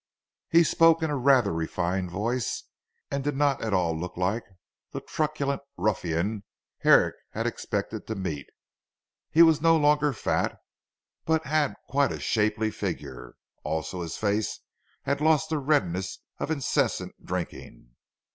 He spoke in a rather refined voice, and did not at all look like the truculent ruffian Herrick had expected to meet. He was no longer fat, but had quite a shapely figure. Also his face had lost the redness of incessant drinking.